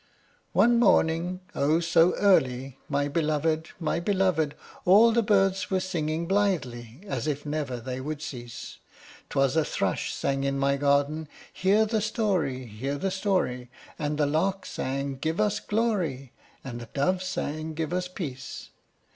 One morning, oh! so early, my belovèd, my belovèd, All the birds were singing blithely, as if never they would cease; 'Twas a thrush sang in my garden, "Hear the story, hear the story!" And the lark sang, "Give us glory!" And the dove said, "Give us peace!"